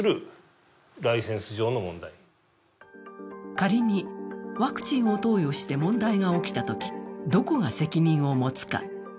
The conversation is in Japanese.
仮にワクチンを投与して問題が起きたときどこが責任を持つか。